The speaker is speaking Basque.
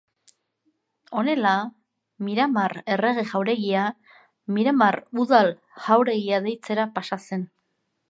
Honela, Miramar Errege Jauregia, Miramar Udal Jauregia deitzera pasa zen.